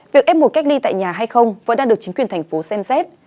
việc ép mùa cách ly tại nhà hay không vẫn đang được chính quyền thành phố xem xét